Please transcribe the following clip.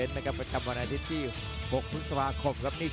๔๒ปีของเขาเขาเป็นแฮปฟอร์ฟอร์ฟอร์มซัววัง